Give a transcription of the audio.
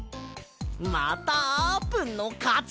またあーぷんのかち！